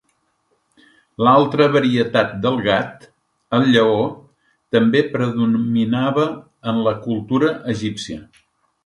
L'altra varietat del gat, el lleó, també predominava en la cultura egípcia.